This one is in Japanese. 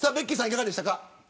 いかがでしたか。